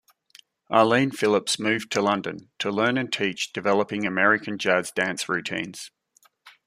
Arlene Phillips moved to London to learn and teach developing American Jazz dance routines.